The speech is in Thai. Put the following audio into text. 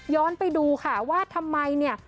ไปดูค่ะว่าทำไมเนี่ย